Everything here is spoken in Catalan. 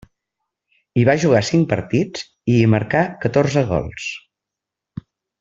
Hi va jugar cinc partits i hi marcà catorze gols.